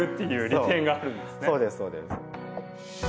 そうですそうです。